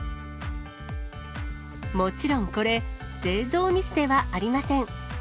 もちろんこれ、製造ミスではありません。